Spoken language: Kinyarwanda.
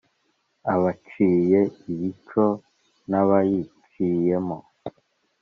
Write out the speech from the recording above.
Abanshiye ibico nabaciyemo